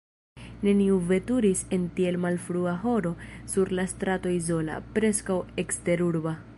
Neniu veturis en tiel malfrua horo sur la strato izola, preskaŭ eksterurba.